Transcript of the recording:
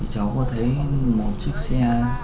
cháu có thấy một chiếc xe